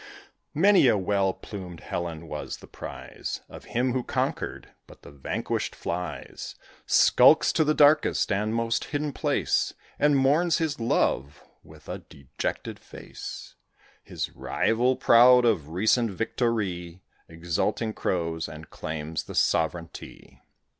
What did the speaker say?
Many a well plumed Helen was the prize Of him who conquered; but the vanquished flies Skulks to the darkest and most hidden place, [Illustration: THE TWO FOWLS.] And mourns his love with a dejected face. His rival, proud of recent victory, Exulting crows, and claims the sovereignty.